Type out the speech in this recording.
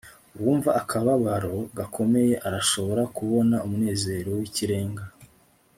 uwumva akababaro gakomeye arashobora kubona umunezero wikirenga